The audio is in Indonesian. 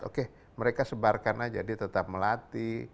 oke mereka sebarkan aja dia tetap melatih